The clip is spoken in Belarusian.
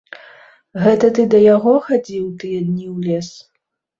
Гэта ты да яго хадзіў тыя дні ў лес?